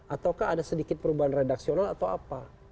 ataukah ada sedikit perubahan redaksional atau apa